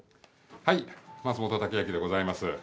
はい、松本剛明でございます。